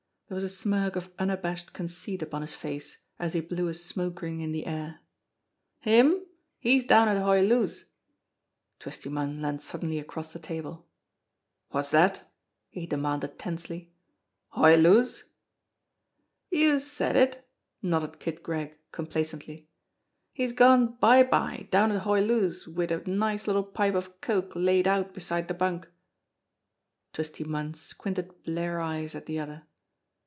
There was a smirk of unabashed conceit upon his face, as he blew a smoke ring in the air. "Him? He's down at Hoy Loo's." Twisty Munn leaned suddenly across the table. "Wot's dat?" he demanded tensely. "Hoy Loo's?" "Youse said it!" nodded Kig Gregg complacently. "He's gone bye bye down at Hoy Loo's wid a nice little pipe of coke laid out beside de bunk." Twisty Munn squinted blear eyes at the other.